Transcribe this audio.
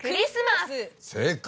正解。